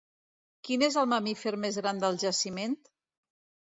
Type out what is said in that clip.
Quin és el mamífer més gran del jaciment?